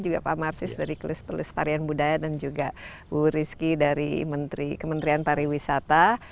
juga pak marsis dari kelus pelus tarian budaya dan juga bu rizky dari kementerian pariwisata